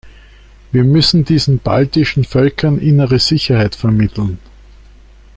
Wir müssen diesen baltischen Völkern innere Sicherheit vermitteln.